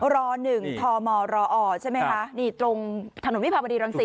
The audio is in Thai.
ร๑ทมรอใช่ไหมคะนี่ตรงถนนวิภาบดีรังสิต